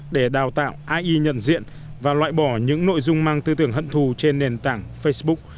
để đào tạo ai nhận diện và loại bỏ những nội dung mang tư tưởng hận thù trên nền tảng facebook